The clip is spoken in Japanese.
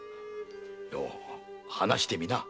よお話してみな。